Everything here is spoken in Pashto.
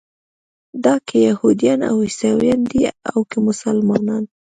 دا که یهودیان او عیسویان دي او که مسلمانان.